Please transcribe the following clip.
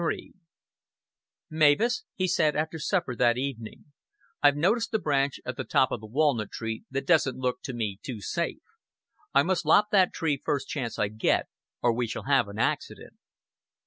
XXXIII "Mavis," he said, after supper that evening "I've noticed a branch at the top of the walnut tree that doesn't look to me too safe. I must lop that tree first chance I get or we shall have an accident."